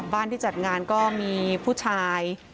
ที่จัดงานก็มีผู้ชาย